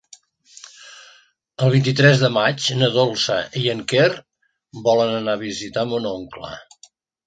El vint-i-tres de maig na Dolça i en Quer volen anar a visitar mon oncle.